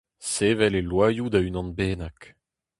Sevel e loaioù da unan bennak.